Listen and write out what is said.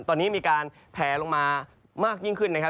ตอนนี้มีการแผลลงมามากยิ่งขึ้นนะครับ